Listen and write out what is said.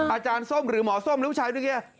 อาจารย์ส้มหรือหมอส้มหรือผู้ชายนี่